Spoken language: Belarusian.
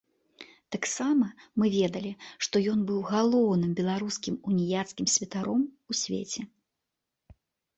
Таксама мы ведалі, што ён быў галоўным беларускім уніяцкім святаром у свеце.